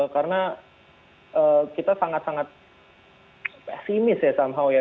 karena kita sangat sangat pesimis ya somehow ya